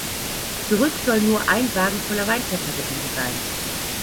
Zurück soll nur ein Wagen voller Weinfässer geblieben sein.